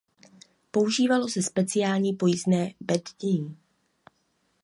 Používalo se speciální pojízdné bednění.